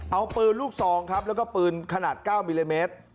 เอาปืนลูกซองครับแล้วก็ปืนขนาด๙มิลลิเมตร